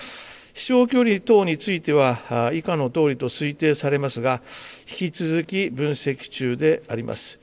飛しょう距離等については、以下のとおりと推定されますが、引き続き、分析中であります。